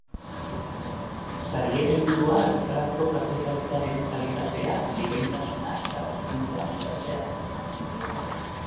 Sarien helburua euskarazko kazetaritzaren kalitatea, bikaintasuna eta berrikuntza bultzatzea da.